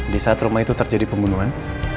di saat rumah itu terjadi pembunuhan